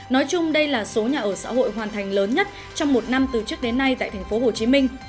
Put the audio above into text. nói chung đây là số nhà ở xã hội hoàn thành lớn nhất trong một năm từ trước đến nay tại thành phố hồ chí minh